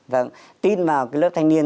vâng tin vào cái lớp thanh niên